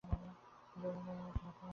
আসলে টেলিফোনটি করা হয়েছে ঝোঁকের মাথায়।